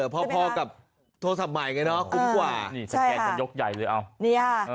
พอกับโทรศัพท์ใหม่ไงเนอะคุ้มกว่า